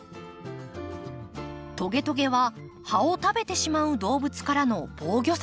トゲトゲは葉を食べてしまう動物からの防御策。